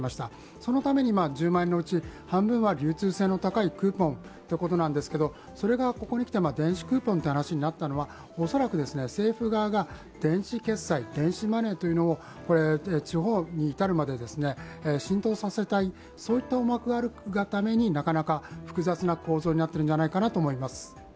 そのために１０万円のうち半分は流通性の高いクーポンということなんですが、それがここにきて電子クーポンという話になったのは恐らく政府側が電子決済、電子マネーを地方に至るまで浸透させたい、そういった思惑があるがためになかなか複雑な構造になっているんじゃないかなと思います。